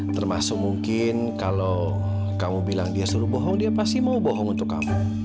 termasuk mungkin kalau kamu bilang dia suruh bohong dia pasti mau bohong untuk kamu